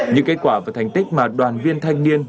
những kết quả và thành tích mà đoàn viên thanh niên